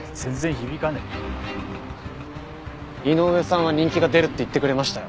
井上さんは人気が出るって言ってくれましたよ。